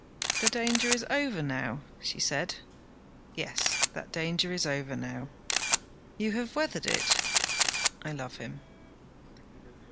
'The danger is over now?' she said. 'Yes, that danger is over now.' 'You have weathered it?' 'I love him.'